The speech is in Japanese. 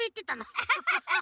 アハハハ！